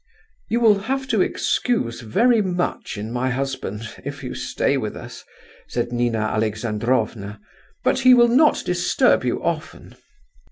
"You will have to excuse very much in my husband, if you stay with us," said Nina Alexandrovna; "but he will not disturb you often.